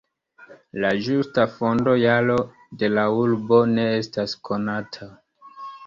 La ĝusta fondo-jaro de la urbo ne estas konata.